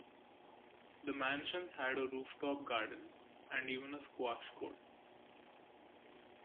The Mansions had a roof top garden, and even a squash court.